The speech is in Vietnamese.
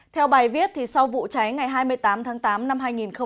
theo bài viết sau vụ cháy ngày hai mươi tám tháng tám năm hai nghìn một mươi chín